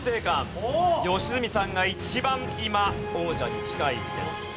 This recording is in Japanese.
良純さんが一番今王者に近い位置です。